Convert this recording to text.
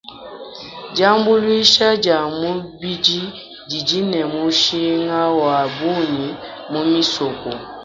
Diambuluisha dia mubidi didi ne mushinga wa bungi mu misoko.